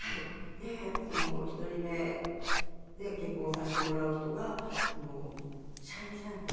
で１人目で結婚をさせてもらう人が社員さんで。